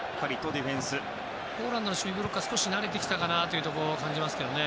ポーランドの守備陣がちょっと慣れてきたかなというのを感じますね。